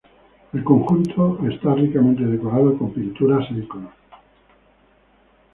El conjunto está ricamente decorado con pinturas e iconos.